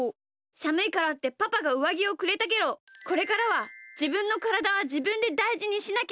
さむいからってパパがうわぎをくれたけどこれからはじぶんのからだはじぶんでだいじにしなきゃダメだな！